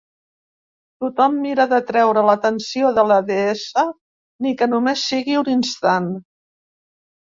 Tothom mira d'atreure l'atenció de la deessa ni que només sigui un instant.